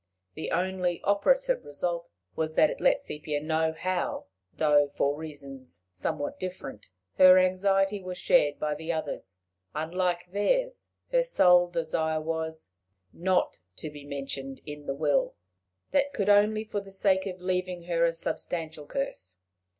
The only operative result was that it let Sepia know how, though for reasons somewhat different, her anxiety was shared by the others: unlike theirs, her sole desire was not to be mentioned in the will: that could only be for the sake of leaving her a substantial curse!